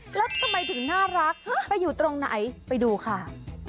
แล้วทำไมถึงน่ารักไปอยู่ตรงไหนไปดูค่ะ